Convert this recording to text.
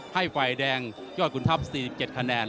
ให้ไฟแดงย่อยกุณฑับ๔๗คะแนน